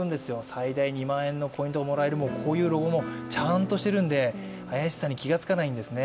最大２万円のポイントをもらえる、こういうロゴもちゃんとしているので怪しさに気がつかないんですね。